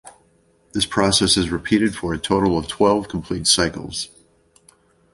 This process is repeated for a total of twelve complete cycles.